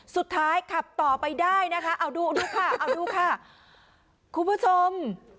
ขับต่อไปได้นะคะเอาดูดูค่ะเอาดูค่ะคุณผู้ชม